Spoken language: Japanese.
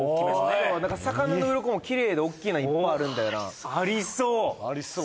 何か魚のウロコもきれいでおっきいのいっぱいあるんだよなありそう！